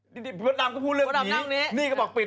กดนี่ก็พูดเรื่องผีนี่ก็บอก